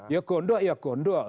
ya gondok ya gondok